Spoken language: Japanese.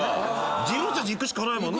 自分たちいくしかないもんな